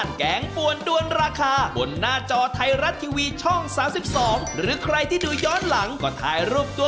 แล้วก็ขอบคุณสาวสวยด้วยขอบคุณนะคะครับ